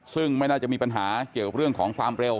ซึ่งไม่น่าจะมีปัญหาเกี่ยวกับเรื่องของความเร็ว